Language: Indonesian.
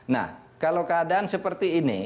nah kalau keadaan seperti ini